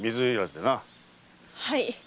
はい。